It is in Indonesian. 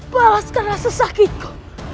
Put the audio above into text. balaskan rasa sakitku